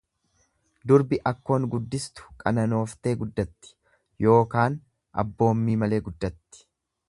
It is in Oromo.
Durbi akkoon guddistu qananooftee guddatti, ykn abboommii malee guddatti.